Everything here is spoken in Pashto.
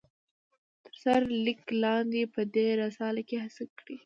تر سر ليک لاندي په دي رساله کې هڅه کړي ده